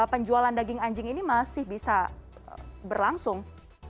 penjualan daging anjing ini masih bisa berlangsung